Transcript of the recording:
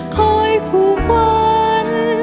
คอยคู่ขวัญ